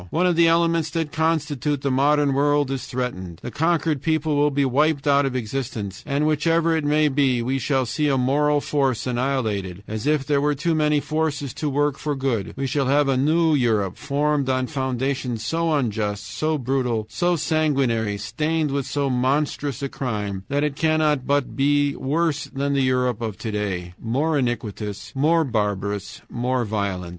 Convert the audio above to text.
One of the elements that constitute the modern world is threatened, the conquered people will be wiped out of existence, and whichever it may be, we shall see a moral force annihilated, as if there were too many forces to work for good we shall have a new Europe formed on foundations so unjust, so brutal, so sanguinary, stained with so monstrous a crime, that it cannot but be worse than the Europe of to day more iniquitous, more barbarous, more violent.